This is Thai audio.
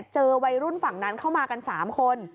เจอวัยรุ่นฝั่งนั้นเข้ามากัน๓คน